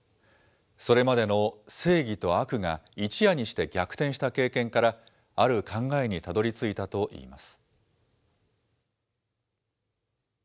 それまでの正義と悪が一夜にして逆転した経験から、ある考えにたどりついたといいます。